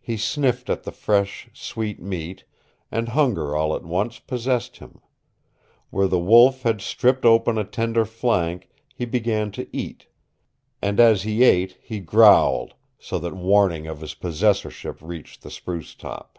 He sniffed at the fresh, sweet meat, and hunger all at once possessed him. Where the wolf had stripped open a tender flank he began to eat, and as he ate he growled, so that warning of his possessorship reached the spruce top.